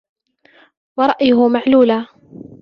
وَرَأْيُهُ مَعْلُولًا